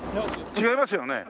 違いますよね。